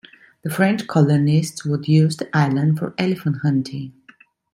The French colonists would use the island for elephant hunting.